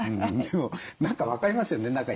でも何か分かりますよね。